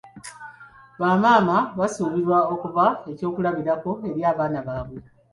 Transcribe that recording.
Bamaama basuubirwa okuba ekyokulabirako eri abaana baabwe.